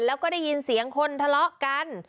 แล้วก็ได้ยินเสียงคนทะเลาะกัน